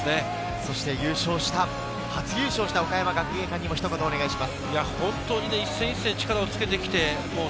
そして優勝した、初優勝した岡山学芸館にもお願いします。